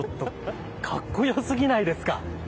かっこよすぎないですか。